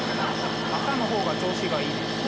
朝の方が調子がいいですね